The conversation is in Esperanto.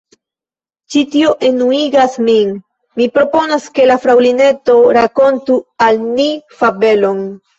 "Ĉi tio enuigas min! Mi proponas ke la Fraŭlineto rakontu al ni fabelon."